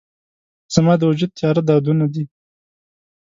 زما د وجود تیاره دردونه دي